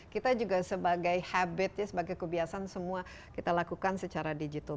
kita juga sebagai habit ya sebagai kebiasaan semua kita lakukan secara digital